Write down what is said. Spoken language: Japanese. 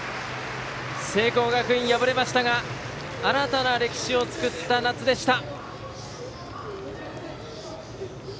聖光学院、敗れましたが新たな歴史を作った夏でした。